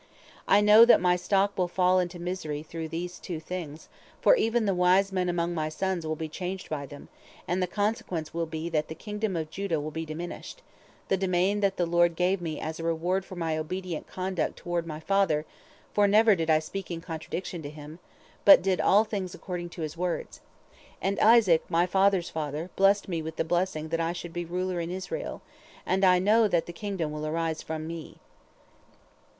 I know that my stock will fall into misery through these two things, for even the wise men among my sons will be changed by them, and the consequence will be that the kingdom of Judah will be diminished, the domain that the Lord gave me as a reward for my obedient conduct toward my father, for never did I speak in contradiction of him, but I did all things according to his words. And Isaac, my father's father, blessed me with the blessing that I should be ruler in Israel, and I know that the kingdom will arise from me.